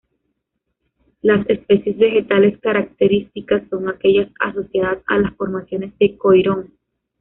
Las especies vegetales características son aquellas asociadas a las formaciones de coirón.